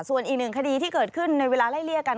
ส่วนอีกหนึ่งคดีที่เกิดขึ้นในเวลาไล่เลี่ยกัน